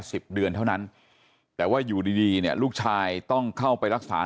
สิบเดือนเท่านั้นแต่ว่าอยู่ดีดีเนี่ยลูกชายต้องเข้าไปรักษา